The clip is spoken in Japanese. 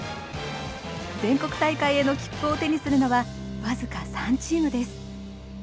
全国大会への切符を手にするのは僅か３チームです。